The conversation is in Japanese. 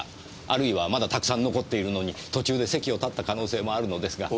あるいはまだたくさん残っているのに途中で席を立った可能性もあるのですが。